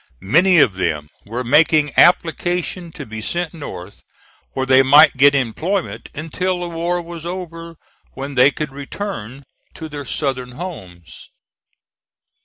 Many of them were making application to be sent North where they might get employment until the war was over, when they could return to their Southern homes.